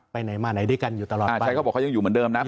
ไปไหนมาไหนด้วยกันอยู่ตลอดอ่าใช่เขาบอกเขายังอยู่เหมือนเดิมนะ